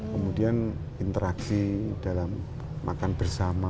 kemudian interaksi dalam makan bersama